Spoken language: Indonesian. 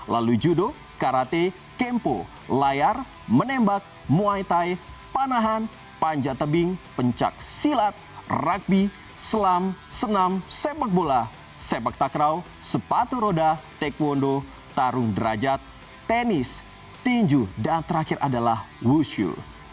lalu judo karate kempo layar menembak muay thai panahan panja tebing pencak silat ragbi selam senam sepak bola sepak takraw sepatu roda taekwondo tarung derajat tenis tinju dan terakhir adalah wushu